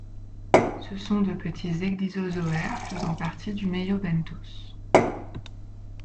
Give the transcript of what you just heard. Ce sont de petits ecdysozoaires faisant partie du meiobenthos.